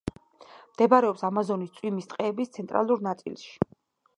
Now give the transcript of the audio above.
მდებარეობს ამაზონის წვიმის ტყეების ცენტრალურ ნაწილში.